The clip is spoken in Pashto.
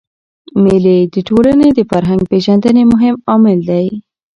مېلې د ټولني د فرهنګ پېژندني مهم عامل دئ.